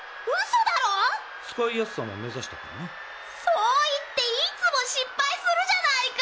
そういっていつもしっぱいするじゃないか！